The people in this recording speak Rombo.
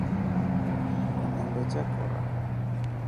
Enende chekora.